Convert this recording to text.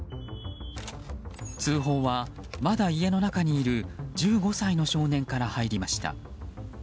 通報は、まだ家の中にいる１５歳の少年から入りました。